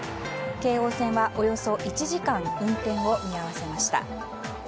京王線はおよそ１時間運転を見合わせました。